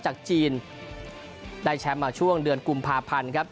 จากจีนได้แชมป์มาช่วงเดือนกุมภาพันธ์ครับ